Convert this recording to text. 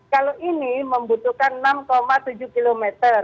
kalau ini membutuhkan enam tujuh km